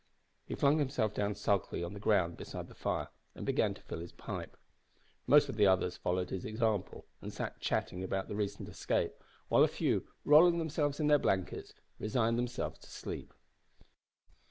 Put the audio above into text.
He flung himself down sulkily on the ground beside the fire and began to fill his pipe. Most of the others followed his example, and sat chatting about the recent escape, while a few, rolling themselves in their blankets, resigned themselves to sleep.